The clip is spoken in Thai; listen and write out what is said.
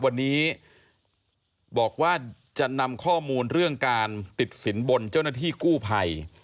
วันนี้บอกว่าจะนำข้อมูลเรื่องการติดสินบนเจ้าหน้าที่กู้ภัย